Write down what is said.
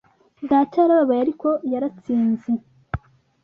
data yarababaye, ariko yaratsinze